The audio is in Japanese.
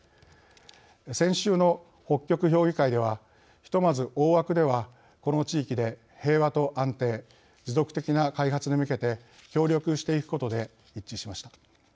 先週の北極評議会ではひとまず大枠ではこの地域で平和と安定持続的な開発に向けて協力していくことで一致しました。